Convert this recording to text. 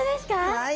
はい。